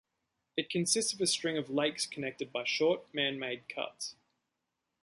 It consists of a string of lakes connected by short manmade cuts.